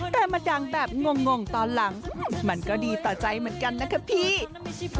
แต่มาดังแบบงงตอนหลังมันก็ดีต่อใจเหมือนกันนะคะพี่